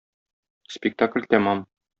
Спектакль тәмам.